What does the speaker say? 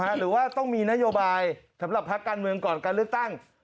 หรือว่าต้องมีนโยบายสำหรับภาคการเมืองก่อนการเลือกตั้ง